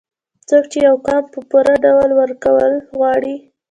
څوک چې يو قام په پوره ډول وروکول غواړي